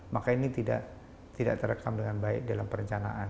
maka ini tidak terekam dengan baik dalam perencanaan